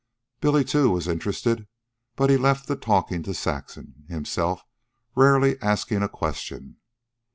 Billy, too, was interested, but he left the talking to Saxon, himself rarely asking a question.